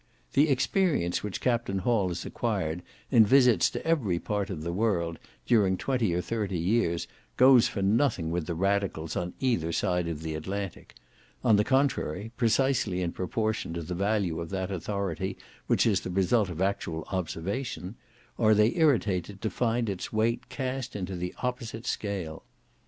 The experience which Capt. Hall has acquired in visits to every part of the world, during twenty or thirty years, goes for nothing with the Radicals on either side the Atlantic: on the contrary, precisely in proportion to the value of that authority which is the result of actual observation, are they irritated to find its weight cast into the opposite scale.